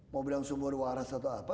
mau bilang sumber waras atau apa